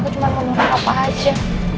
aku cuma mau menurut apa aja